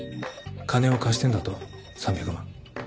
金を貸してんだと３００万。